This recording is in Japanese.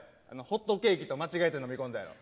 ホットケーキと間違えて飲み込んだやろ？